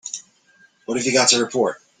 What have you got to report?